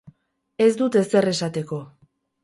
Ez dut ezer esateko.